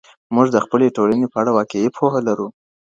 موږ د خپلې ټولنې په اړه واقعي پوهه لرو.